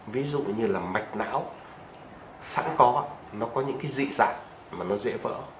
ví dụ như là mạch não sẵn có nó có những cái dị dạng mà nó dễ vỡ